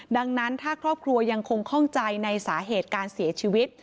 ดังนั้นถ้าครอบครัวยังคงข้องใจในสาเหตุการเสียชีวิต